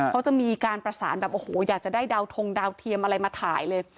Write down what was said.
เขาจะมีการประสานแบบโอ้โหอยากจะได้ดาวทงดาวเทียมอะไรมาถ่ายเลย